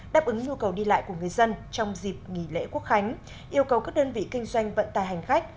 đáp ứng nhu cầu đi lại của người dân trong dịp nghỉ lễ quốc khánh yêu cầu các đơn vị kinh doanh vận tài hành khách